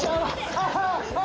ああ！